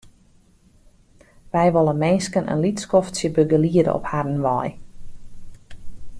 Wy wolle minsken in lyts skoftsje begeliede op harren wei.